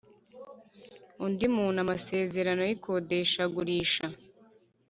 undi muntu amasezerano y ikodeshagurisha